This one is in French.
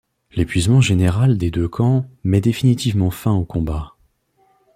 L'épuisement général des deux camps met définitivement fin aux combats.